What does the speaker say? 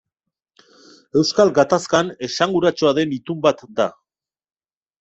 Euskal gatazkan esanguratsua den itun bat da.